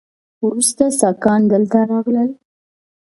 وروسته ساکان دلته راغلل